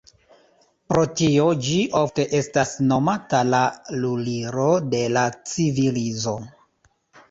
Pro tio ĝi ofte estas nomata la "lulilo de la civilizo".